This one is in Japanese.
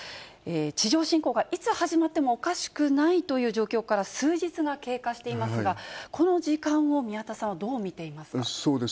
地上侵攻がいつ始まってもおかしくないという状況から数日が経過していますが、この時間を宮田さんはどう見ていますか。